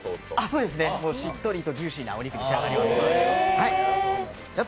そうですね、しっとりとジューシーなお肉に仕上がります。